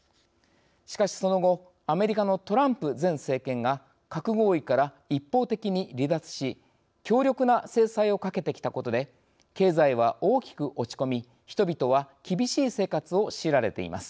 しかしその後アメリカのトランプ前政権が核合意から一方的に離脱し強力な制裁をかけてきたことで経済は大きく落ち込み人々は厳しい生活を強いられています。